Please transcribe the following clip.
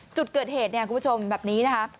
จุดเกิดเหตุคุณผู้ชมแบบนี้